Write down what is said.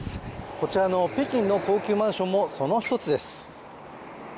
こちらの北京の高級マンションもその一つです。